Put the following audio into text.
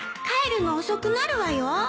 帰るの遅くなるわよ？